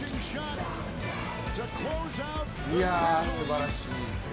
いや、すばらしい。